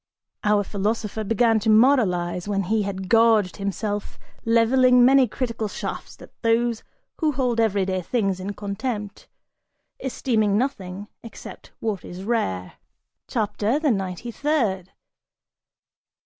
(Our philosopher began to moralize, when he had gorged himself, leveling many critical shafts at those who hold every day things in contempt, esteeming nothing except what is rare.) CHAPTER THE NINETY THIRD.